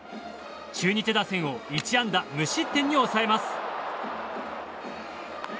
中日打線を１安打無失点に抑えます。